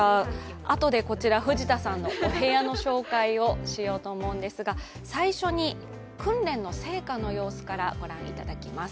あとでこちら、藤田さんのお部屋の紹介をしようと思うんですが、最初に訓練の成果の様子からご覧いただきます。